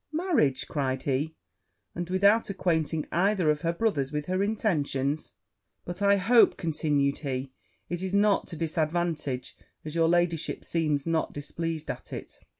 'Marriage!' cried he; 'and without acquainting either of her brothers with her intentions! But I hope,' continued he, 'it is not to disadvantage, as your ladyship seems not displeased at it?'